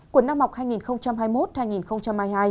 của năm học hai nghìn hai mươi một hai nghìn hai mươi hai